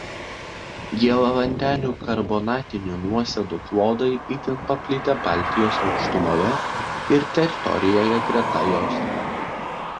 Gėlavandenių karbonatinių nuosėdų klodai itin paplitę Baltijos aukštumoje ir teritorijoje greta jos.